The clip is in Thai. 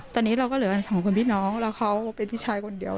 ตอนนี้เราก็เหลือกันสองคนพี่น้องแล้วเขาเป็นพี่ชายคนเดียว